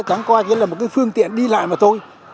chẳng qua như là một cái phương tiện đi lại mà thôi